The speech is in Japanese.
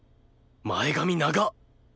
前髪長っ！